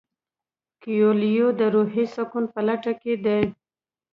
کویلیو د روحي سکون په لټه کې دی.